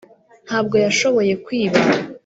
ntabwo yashoboye kwiba